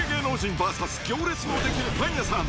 ＶＳ行列の出来るパン屋さん。